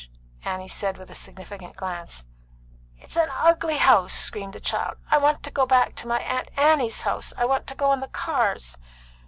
Annie said, with a significant glance. "It's an ugly house!" screamed the child. "I want to go back to my Aunt Annie's house. I want to go on the cars."